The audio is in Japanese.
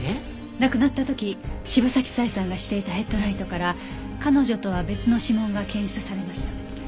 亡くなった時柴崎佐江さんがしていたヘッドライトから彼女とは別の指紋が検出されました。